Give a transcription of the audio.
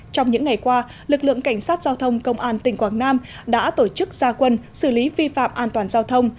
trong những ngày qua lực lượng cảnh sát giao thông công an tỉnh quảng nam đã tổ chức gia quân xử lý vi phạm an toàn giao thông